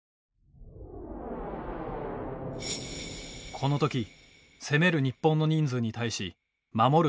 この時攻める日本の人数に対し守る